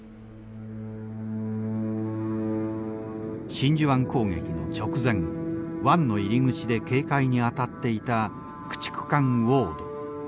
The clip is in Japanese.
真珠湾攻撃の直前湾の入り口で警戒に当たっていた駆逐艦ウォード。